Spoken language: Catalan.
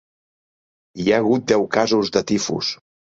Hi ha hagut deu casos de tifus.